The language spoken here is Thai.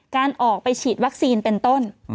การออกไปฉีดวัคซีนเป็นต้น